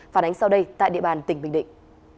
phản ánh sau đây tại địa bàn tỉnh bình định